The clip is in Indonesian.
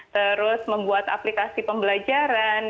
terus membuat aplikasi pembelajaran